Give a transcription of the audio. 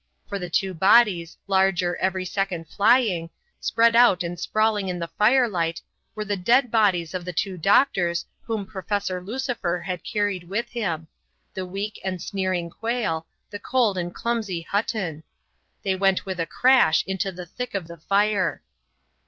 For the two bodies, larger every second flying, spread out and sprawling in the fire light, were the dead bodies of the two doctors whom Professor Lucifer had carried with him the weak and sneering Quayle, the cold and clumsy Hutton. They went with a crash into the thick of the fire.